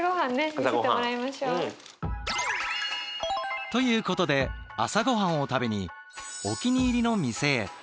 見せてもらいましょう。ということで朝ごはんを食べにお気に入りの店へ。